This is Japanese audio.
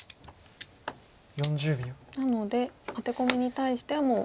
なのでアテコミに対してはもう。